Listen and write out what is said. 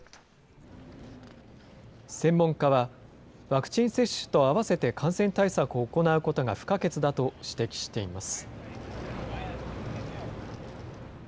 専門家は、ワクチン接種と併せて感染対策を行うことが不可欠だと指摘しています。